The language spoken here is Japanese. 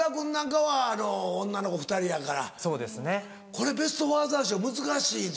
これベスト・ファーザー賞難しいぞ。